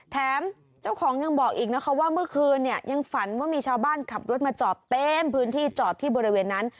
แถมเจ้าของยังบอกอีกนะคะว่าเมื่อคืนเนี่ยยังฝันว่ามีชาวบ้านขับรถมาจอดเต็มพื้นที่จอดที่บริเวณนั้น